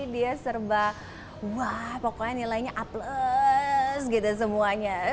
dia serba wah pokoknya nilainya upless gitu semuanya